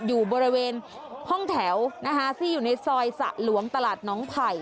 อยู่บริเวณห้องแถวนะคะที่อยู่ในซอยสระหลวงตลาดน้องไผ่